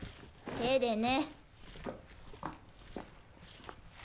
手でね。